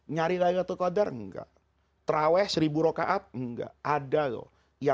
nyari laylatul qadar enggak terawih seribu rokaat enggak ada loh